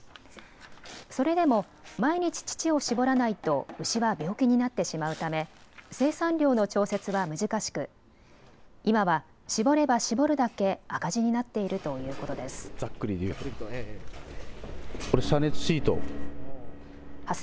それでも毎日、乳を搾らないと牛は病気になってしまうため生産量の調節は難しく今は搾れば搾るだけ赤字になっているということです。